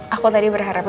aku tadi berharap